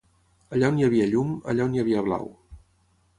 Allà on hi havia llum, allà on hi havia blau